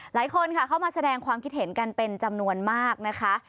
หลายคนค่ะเข้ามาแสดงความคิดเห็นกันเป็นจำนวนมากนะคะ